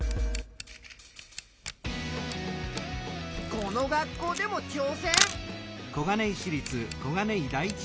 この学校でもちょう戦！